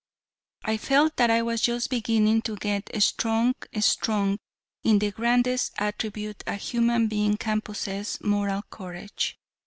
I felt that I was just beginning to get strong strong in the grandest attribute a human being can possess moral courage.